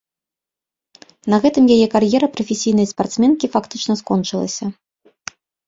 На гэтым яе кар'ера прафесійнай спартсменкі фактычна скончылася.